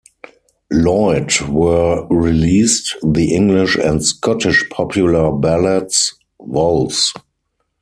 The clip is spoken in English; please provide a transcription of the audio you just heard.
Lloyd were released: The English and Scottish Popular Ballads, Vols.